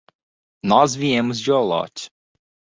Nós viemos de Olot.